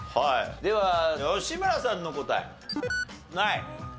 では吉村さんの答え。